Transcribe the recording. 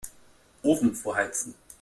Ofen vorheizen.